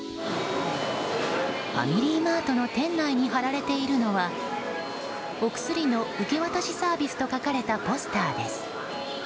ファミリーマートの店内に貼られているのは「お薬の受け渡しサービス」と書かれたポスターです。